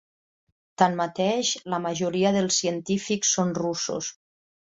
Tanmateix la majoria dels científics són russos.